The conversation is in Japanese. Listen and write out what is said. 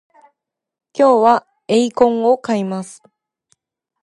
今日はエイコンを買います